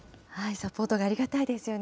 サポート、ありがたいですよね。